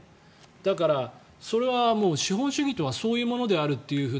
だから、それは資本主義とはそういうものであると。